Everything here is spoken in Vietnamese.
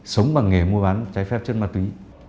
sống bằng nghề mua bán trái phép chất ma túy